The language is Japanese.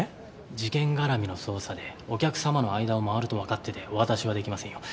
事件絡みの捜査でお客様の間を回るとわかっててお渡しは出来ませんよ。